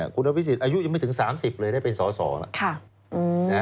คุณอภิษฎอายุยังไม่ถึง๓๐เลยได้เป็นสอสอแล้ว